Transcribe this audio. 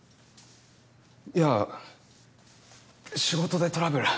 いや仕事でトラブル。